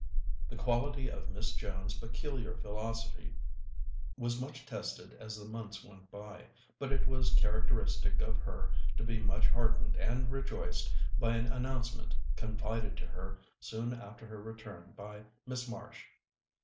The quality of Miss Jones's peculiar philosophy was much tested as the months went by, but it was characteristic of her to be much heartened and rejoiced by an announcement confided to her soon after her return by Miss Marsh.